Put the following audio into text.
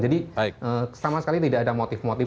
jadi sama sekali tidak ada motif motif